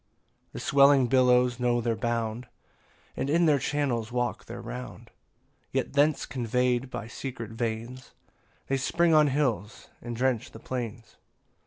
6 The swelling billows know their bound, And in their channels walk their round; Yet thence convey'd by secret veins, They spring on hills, and drench the plains.